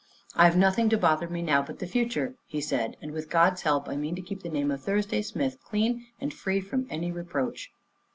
"I've nothing to bother me now but the future," he said, "and with God's help I mean to keep the name of Thursday Smith clean and free from any reproach."